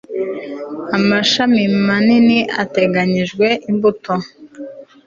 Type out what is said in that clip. Amashami manini ateganijwe imbuto